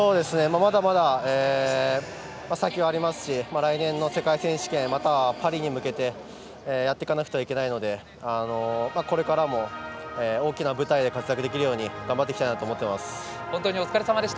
まだまだ先はありますし来年の世界選手または、パリに向けてやっていかなければいけないのでこれからも大きな舞台で活躍できるように頑張っていきたいなと思っています。